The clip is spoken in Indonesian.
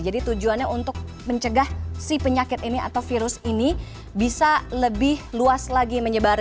jadi tujuannya untuk mencegah si penyakit ini atau virus ini bisa lebih luas lagi menyebar